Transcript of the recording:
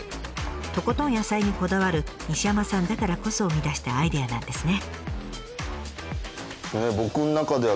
とことん野菜にこだわる西山さんだからこそ生み出したアイデアなんですね。